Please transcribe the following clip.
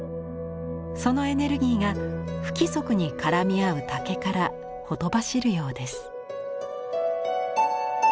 そのエネルギーが不規則に絡み合う竹からほとばしるようです。